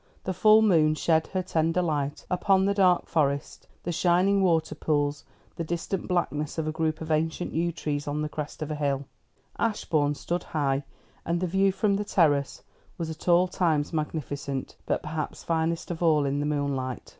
The full moon shed her tender light upon the dark Forest, the shining water pools, the distant blackness of a group of ancient yew trees on the crest of a hill. Ashbourne stood high, and the view from the terrace was at all times magnificent, but perhaps finest of all in the moonlight.